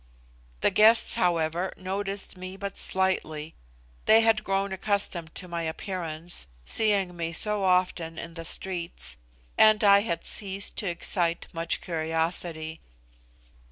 The guests, however, noticed me but slightly; they had grown accustomed to my appearance, seeing me so often in the streets, and I had ceased to excite much curiosity.